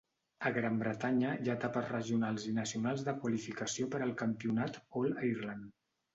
A Gran Bretanya hi ha etapes regionals i nacionals de qualificació per al campionat All-Ireland.